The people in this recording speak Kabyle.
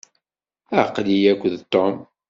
Aql-iyi akked Tom.